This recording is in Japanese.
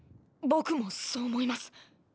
僕もそう思います。